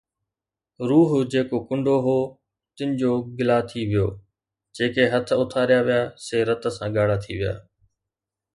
روح جيڪو ڪُنڊو هو، تن جو گلا ٿي ويو، جيڪي هٿ اٿاريا ويا سي رت سان ڳاڙها ٿي ويا